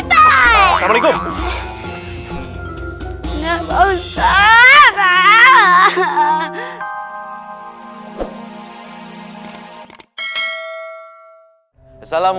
assalamualaikum warahmatullahi wabarakatuh